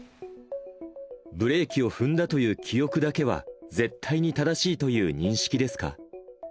ブレーキを踏んだという記憶だけは絶対に正しいという認識ですか。